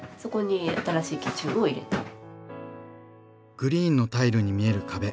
グリーンのタイルに見える壁。